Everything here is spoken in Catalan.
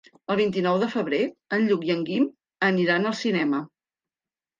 El vint-i-nou de febrer en Lluc i en Guim aniran al cinema.